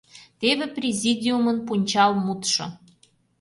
Теве президиумын пунчал мутшо.